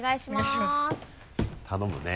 頼むね。